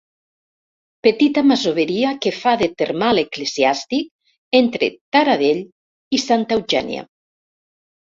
Petita masoveria que fa de termal eclesiàstic entre Taradell i Santa Eugènia.